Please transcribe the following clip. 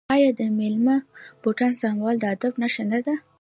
آیا د میلمه بوټان سمول د ادب نښه نه ده؟